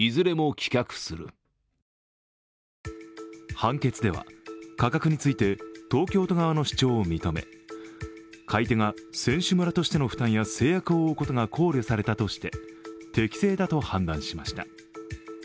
判決では、価格について東京都側の主張を認め、買い手が選手村としての負担や制約を負うことが考慮されたとして適正だと判断しました。